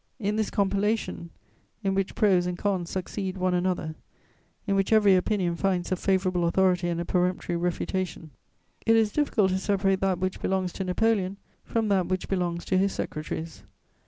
In this compilation, in which pros and cons succeed one another, in which every opinion finds a favourable authority and a peremptory refutation, it is difficult to separate that which belongs to Napoleon from that which belongs to his secretaries.